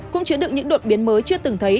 cũng chứa được những đột biến mới chưa từng thấy